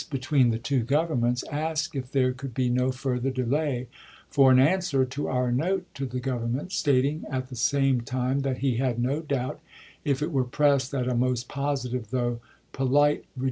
between the two Governments, asked if there could be no further delay for an answer to our note to the Gov The com ernmeut, stating at the same time that he had no doubt to Toombs, if it were pressed that a most positive though polite re Mar.